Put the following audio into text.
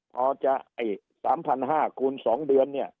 พอจะไอ้๓๕๐๐คูณ๒เดือนเนี่ย